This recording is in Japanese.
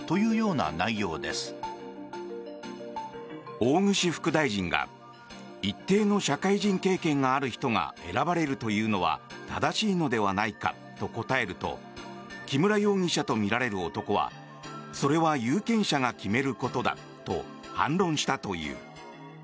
大串副大臣が一定の社会人経験がある人が選ばれるのは正しいのではないかと答えると木村容疑者とみられる男はそれは有権者が決めることだと反論したという。